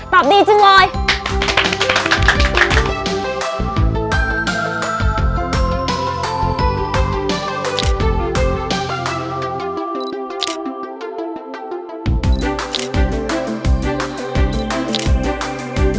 ตอบดีจริงเลย